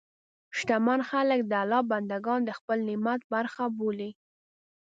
شتمن خلک د الله بندهګان د خپل نعمت برخه بولي.